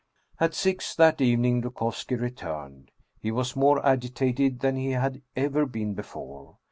At six that evening Dukovski returned. He was more agitated than he had ever been before.